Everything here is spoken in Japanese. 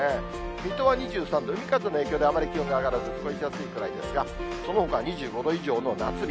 水戸は２３度、海風の影響であまり気温上がらず、過ごしやすいぐらいですが、そのほかは２５度以上の夏日。